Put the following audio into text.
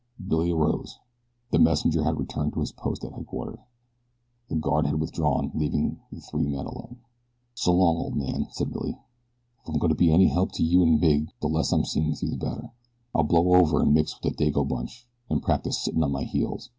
Billy arose. The messenger had returned to his post at headquarters. The guard had withdrawn, leaving the three men alone. "So long, old man," said Billy. "If I'm goin' to be of any help to you and Mig the less I'm seen with you the better. I'll blow over and mix with the Dago bunch, an' practice sittin' on my heels.